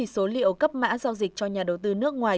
số liệu cấp mã giao dịch cho nhà đầu tư nước ngoài